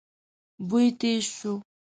بوی تېز شو.